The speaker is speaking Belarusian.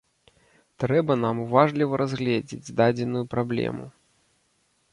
Трэба нам уважліва разгледзець дадзеную праблему.